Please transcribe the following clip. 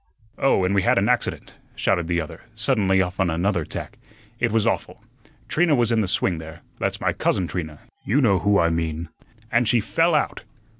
"Oh, and we had an accident," shouted the other, suddenly off on another tack. "It was awful. Trina was in the swing there that's my cousin Trina, you know who I mean and she fell out.